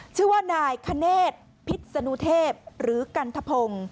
ชื่อว่านายคเนธพิษนุเทพหรือกันทะพงศ์